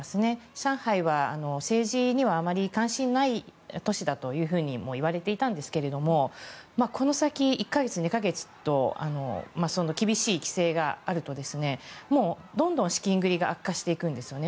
上海は政治にはあまり関心がない都市だともいわれていたんですがこの先１か月、２か月と厳しい規制があるともうどんどん資金繰りが悪化していくんですよね。